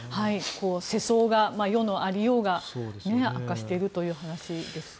世相が、世の有りようが悪化しているという話です。